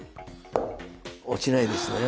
落ちないですね。